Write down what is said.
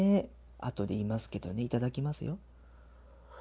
あとで言いますけどね、頂きますよ。